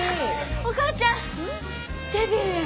お母ちゃんデビューや。